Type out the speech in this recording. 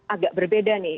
agak berbeda nih